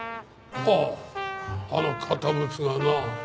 ほうあの堅物がな。